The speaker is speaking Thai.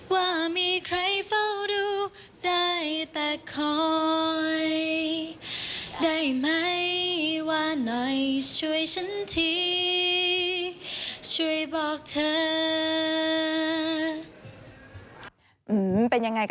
ว่ามีใครเฝ้าดูได้แต่คอย